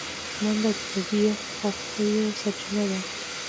منډه د طبیعي خوښیو سرچینه ده